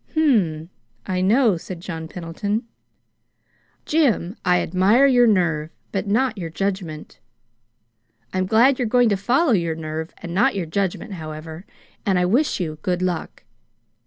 "Hm m, I know," said John Pendleton. "Jim, I admire your nerve, but not your judgment. I'm glad you're going to follow your nerve and not your judgment, however and I wish you good luck."